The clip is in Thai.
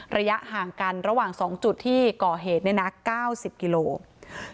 ระยะห่างกันระหว่าง๒จุดที่ก่อเหตุ๙๐กิโลกรัม